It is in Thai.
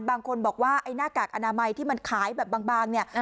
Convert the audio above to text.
บางคนบอกว่าไอ้หน้ากากอนามัยที่มันขายแบบบางเนี่ย